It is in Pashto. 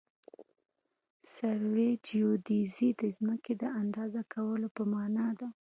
سروي جیودیزي د ځمکې د اندازه کولو په مانا ده